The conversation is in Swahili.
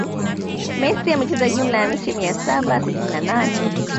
Messi amecheza jumla ya mechi mia saba sitini na nane